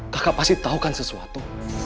kakak pasti tahu kan sesuatu